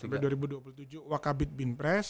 pada dua ribu dua puluh tujuh wakabit bimpres